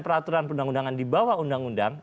peraturan perundang undangan di bawah undang undang